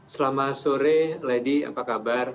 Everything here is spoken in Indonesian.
selamat sore lady apa kabar